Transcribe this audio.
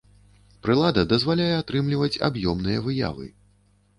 Прылада дазваляе атрымліваць аб'ёмныя выявы.